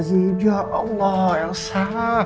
astagfirullahaladzim ya allah elsa